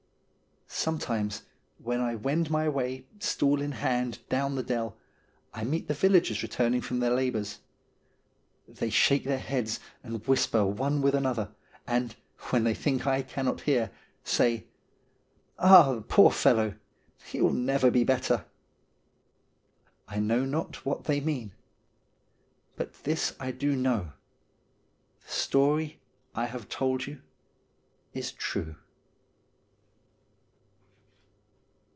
Sometimes, when I wend my way, stool in hand, down the dell, I meet the villagers returning from their labours. They shake their heads and whisper one with another, and, when they think I cannot hear, say :' Ah, poor fellow ! he will never be better.' I know not what they mean ; but this I do know, the story I have told you is true.